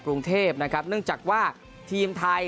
กรุงเทพนะครับเนื่องจากว่าทีมไทย